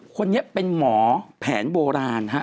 คนนี้เป็นหมอแผนโบราณฮะ